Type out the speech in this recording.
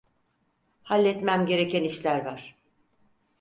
Halletmem gereken işler var.